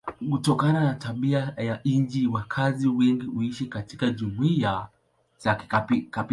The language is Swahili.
Kutokana na tabia ya nchi wakazi wengi huishi katika jumuiya za kikabila.